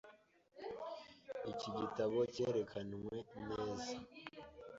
Iki gitabo cyerekanwe neza.